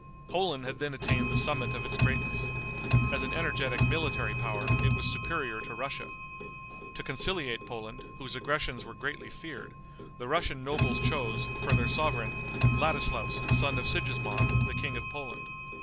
Poland had then attained the summit of its greatness. As an energetic military power, it was superior to Russia. To conciliate Poland, whose aggressions were greatly feared, the Russian nobles chose, for their sovereign, Ladislaus, son of Sigismond, the King of Poland.